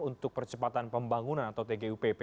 untuk percepatan pembangunan atau tgupp